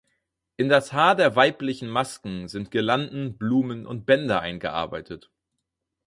In das Haar der weiblichen Masken sind Girlanden, Blumen und Bänder eingearbeitet.